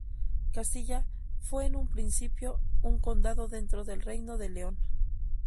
Castilla fue en principio un condado dentro del Reino de León.